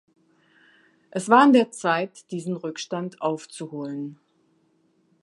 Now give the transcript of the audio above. Es war an der Zeit, diesen Rückstand aufzuholen.